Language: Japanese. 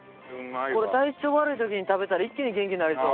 これ体調悪い時に食べたら一気に元気になりそう。